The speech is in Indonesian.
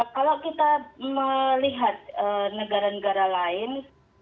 kalau kita melihat negara negara lain